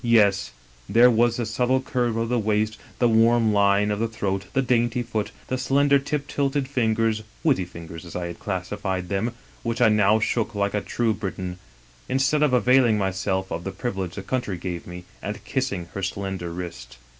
Yes, there was the subtle curve of the waist, the warm line of throat, the dainty foot, the slender tip tilted lingers — witty fingers, as I had classified them — which I now shook like a true Briton, instead of availing myself of the privilege the country gave me, and kissing her slender wrist.